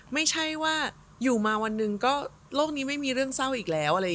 ไม่ใช่ว่าอยู่มาวันหนึ่งก็โลกนี้ไม่มีเรื่องเศร้าอีกแล้ว